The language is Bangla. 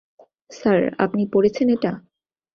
স্যার, আপনি পড়েছেন এটা?